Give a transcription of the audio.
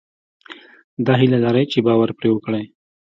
دا هيله لرئ چې باور پرې وکړئ.